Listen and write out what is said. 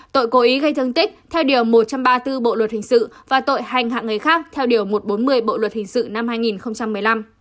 tội cố ý gây thương tích theo điều một trăm ba mươi bốn bộ luật hình sự và tội hành hạ người khác theo điều một trăm bốn mươi bộ luật hình sự năm hai nghìn một mươi năm